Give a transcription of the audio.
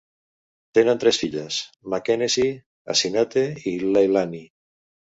Tenen tres filles: Makenesi, Asinate i Leilani.